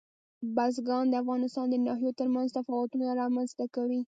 بزګان د افغانستان د ناحیو ترمنځ تفاوتونه رامنځ ته کوي.